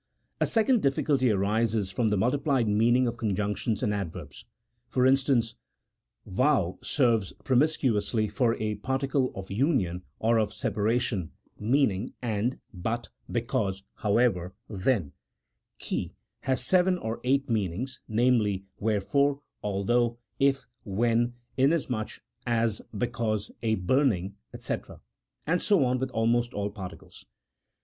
A second difficulty arises from the multiplied meaning of conjunctions and adverbs. For instance, van, serves promiscuously for a particle of union or of separation, mean ing, and, but, because, however, then : hi, has seven or eight meanings, namely, wherefore, although, if, when, inasmuch as, because, a burning, &c, and so on with almost all particles.